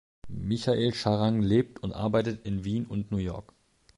Michael Scharang lebt und arbeitet in Wien und New York.